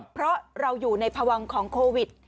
เพราะเราอยู่ในพวังของโควิด